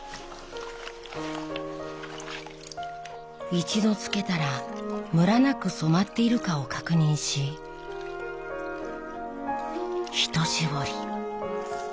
一度つけたらムラなく染まっているかを確認しひと絞り。